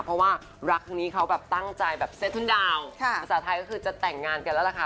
เพราะว่ารักครั้งนี้เขาแบบตั้งใจแบบเซ็ททุนดาวภาษาไทยก็คือจะแต่งงานกันแล้วล่ะค่ะ